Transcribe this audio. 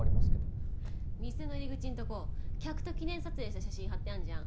店の入り口んとこ客と記念撮影した写真貼ってあんじゃん？